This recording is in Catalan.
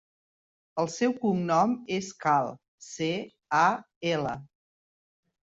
El seu cognom és Cal: ce, a, ela.